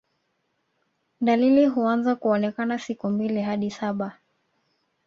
Dalili huanza kuonekana siku mbili hadi saba